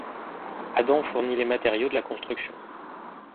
Adam fournit les matériaux de la construction.